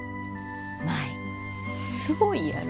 舞すごいやろ？